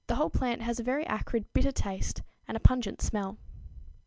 The whole plant has a very acrid, bitter taste and a pungent smell.